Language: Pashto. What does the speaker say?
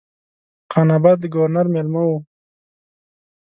خان آباد د ګورنر مېلمه وم.